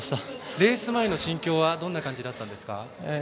レース前の心境はどんな感じでしたか。